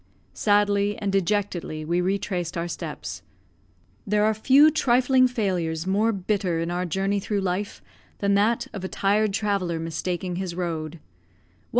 Sadly and dejectedly we retraced our steps. There are few trifling failures more bitter in our journey through life than that of a tired traveller mistaking his road.